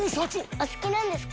お好きなんですか？